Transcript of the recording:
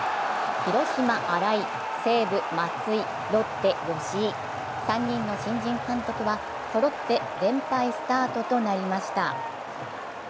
広島・新井、西武・松井、ロッテ・吉井３人の新人監督はそろって連敗スタートとなりました。